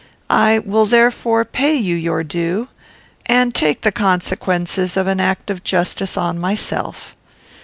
I will therefore pay you your due, and take the consequences of an act of justice on myself.